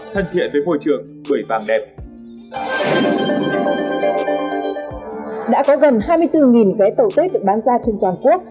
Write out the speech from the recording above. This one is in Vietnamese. thân thiện với môi trường bưởi vàng đẹp đã có gần hai mươi bốn vé tàu tết được bán ra trên toàn quốc